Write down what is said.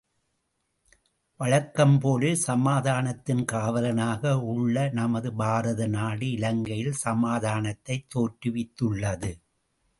வழக்கம்போல சமாதானத்தின் காவலனாக உள்ள நமது பாரதநாடு இலங்கையில் சமாதானத்தைத் தோற்றுவித்துள்ளது.